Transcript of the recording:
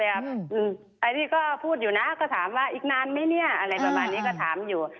อันนี้ก็พูดอยู่นะก็ถามว่าอีกนานไหมเนี่ยอะไรประมาณนี้ก็ถามอยู่